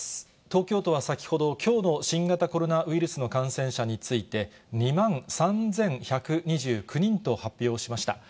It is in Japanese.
東京都は先ほど、きょうの新型コロナウイルスの感染者について、２万３１２９人と発表しました。